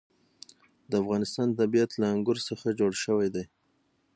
د افغانستان طبیعت له انګور څخه جوړ شوی دی.